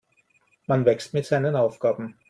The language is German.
Man wächst mit seinen Aufgaben.